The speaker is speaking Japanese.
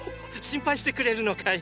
心配してくれるのかい。